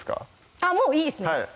あっもういいですね